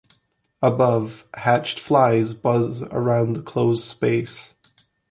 Above, hatched flies buzz around in the closed space.